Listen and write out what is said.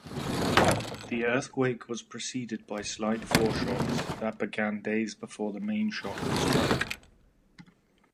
The earthquake was preceded by slight foreshocks that began days before the mainshock struck.